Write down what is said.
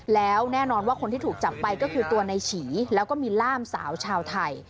แล้วแน่นอนว่าคนที่ถูกจับไปก็คือตัวในฉีแล้วก็มีล่ามสาวชาวไทย